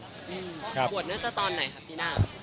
บวชน่าจะตอนไหนครับปีหน้า